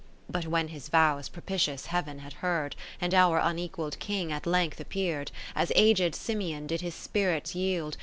But when his vows propitious Heaven had heard, And our unequall'd King at length appear'd. As aged Simeon did his spirits yield.